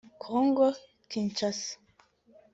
Kongo-Kinshasa